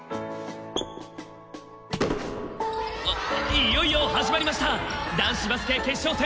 いよいよ始まりました男子バスケ決勝戦。